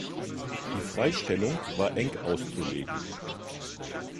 Die Freistellung war eng auszulegen.